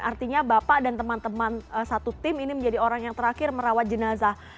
artinya bapak dan teman teman satu tim ini menjadi orang yang terakhir merawat jenazah